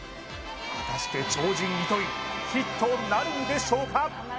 果たして超人糸井ヒットなるんでしょうか